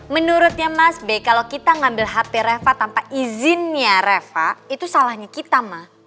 menurutnya mas b kalau kita ngambil hp reva tanpa izinnya reva itu salahnya kita mah